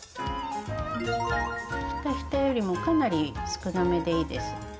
ひたひたよりもかなり少なめでいいです。